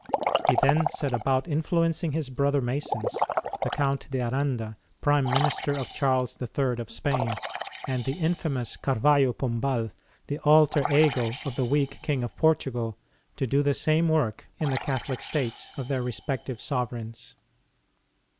He then set about influencing his brother ]\Lisons, the Count De Aranda, Prime Minister of Charles III. of Spain, and the infamous Carvalho Pombal, the alte7 e<jo of the weak King of Portugal, to do the same rvork in the Catholic States of their respective sovereigns.